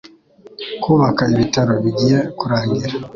Kubaka ibitaro bigiye kurangira.